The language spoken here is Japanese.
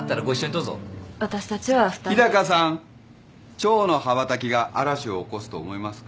チョウの羽ばたきが嵐を起こすと思いますか。